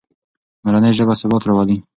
مورنۍ ژبه ثبات راولي.